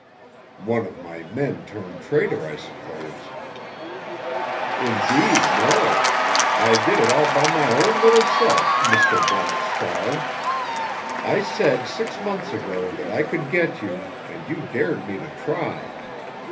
"One of my men turned traitor, I suppose." "Indeed, no. I did it all by my own little self, Mr. Black Star. I said six months ago that I could get you, and you dared me to try.